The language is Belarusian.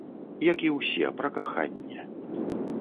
Як і ўсе, пра каханне!